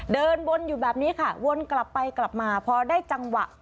เดินวนอยู่แบบนี้ค่ะวนกลับไปกลับมาพอได้จังหวะ